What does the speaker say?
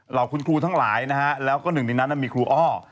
เราคุณครูทั้งหลายนะฮะแล้วก็หนึ่งในนั้นมีครูอ้อ